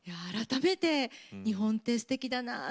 改めて日本ってすてきだな